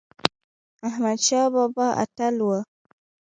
احمد شاه بابا اتل و